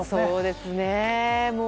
そうですね。